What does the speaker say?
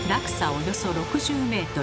およそ６０ｍ。